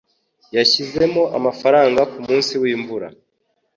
Yashizemo amafaranga kumunsi wimvura.